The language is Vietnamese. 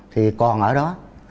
thì còn ở đó